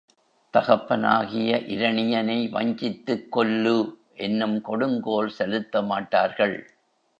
தகப்பனாகிய இரணியனை வஞ்சித்துக் கொல்லு என்னும் கொடுங்கோல் செலுத்த மாட்டார்கள்.